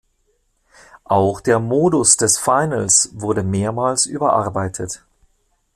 Auch der Modus des Finals wurde mehrmals überarbeitet.